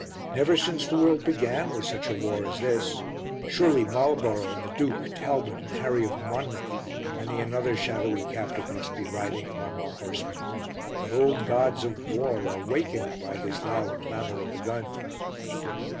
Never since the world began was such a war as this: surely Marlborough and the Duke, Talbot and Harry of Monmouth, and many another shadowy captain must be riding among our horsemen. The old gods of war are wakened by this loud clamour of the guns.